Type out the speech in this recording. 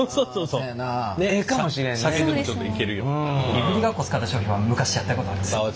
いぶりがっこ使った商品は昔やったことあります。